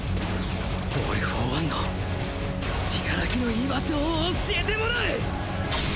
オール・フォー・ワンの死柄木の居場所を教えてもらう！